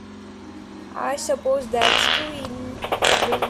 I suppose that's true in a way.